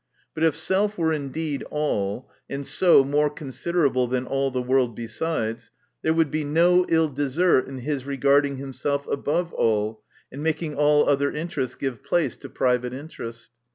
But if self were indeed all, and so more considerable than all the world besides, there would be no ill desert in his regarding himself above all. and making all other interests give place to private interest.